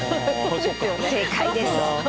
正解です。